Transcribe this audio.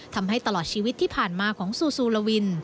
ทำให้ตลอดชีวิตที่ผ่านมาของซูซูลาวิน